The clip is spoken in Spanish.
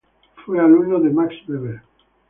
Fue alumno de Max Weber.